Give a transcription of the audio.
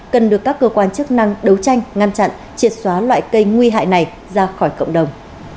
cần được các cơ quan chức năng đấu tranh ngăn chặn triệt xóa loại cây nguy hại này ra khỏi cộng đồng